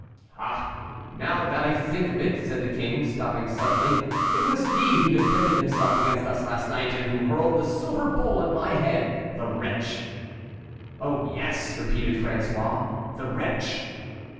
"Ah! now that I think of it!" said the King, stopping suddenly, "it was he who defended himself against us last night, and who hurled the silver bowl at my head, the wretch!" "Oh, yes!" repeated François, "the wretch!"